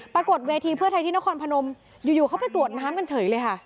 เวทีเพื่อไทยที่นครพนมอยู่เขาไปกรวดน้ำกันเฉยเลยค่ะ